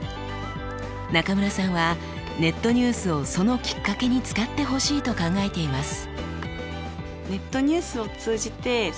中村さんはネットニュースをそのきっかけに使ってほしいと考えています。